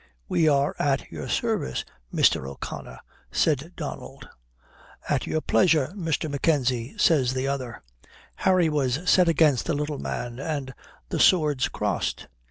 "We are at your service, Mr. O'Connor," says Donald. "At your pleasure, Mr. Mackenzie," says the other. Harry was set against the little man and the swords crossed.